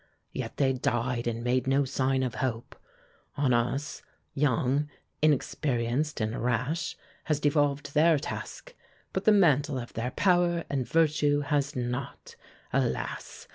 Yet they died and made no sign of hope. On us, young, inexperienced and rash, has devolved their task; but the mantle of their power and virtue has not, alas!